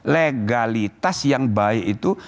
legalitas yang baik itu